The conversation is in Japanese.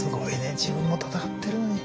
自分も闘ってるのに。